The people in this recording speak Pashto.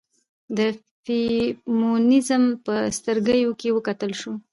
د فيمنيزم په سترګيو کې وکتل شو